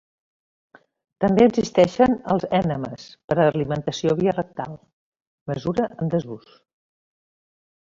També existeixen els ènemes per a alimentació via rectal, mesura en desús.